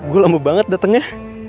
gue lama banget datengnya